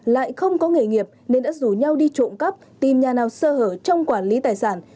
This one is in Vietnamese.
lại không có nghề nghiệp nên đã rủ nhau đi trộm cắp tìm nhà nào sơ hở trong quản lý tài sản